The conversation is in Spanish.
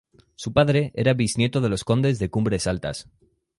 Su padre era bisnieto de los condes de Cumbres Altas.